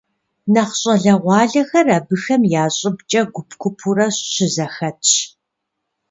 Нэхъ щӏалэгъуалэхэр абыхэм я щӏыбкӏэ гуп-гупурэ щызэхэтщ.